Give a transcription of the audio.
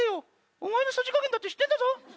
お前のさじ加減だって知ってるんだぞ！